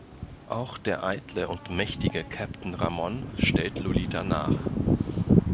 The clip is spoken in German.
Auch der eitle und mächtige Captain Ramon stellt Lolita nach.